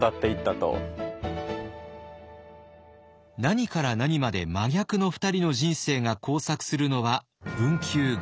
何から何まで真逆の２人の人生が交錯するのは文久元年。